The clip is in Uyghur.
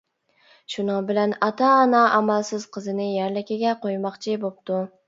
شۇنىڭ بىلەن ئاتا-ئانا ئامالسىز قىزىنى يەرلىكىگە قويماقچى بوپتۇ.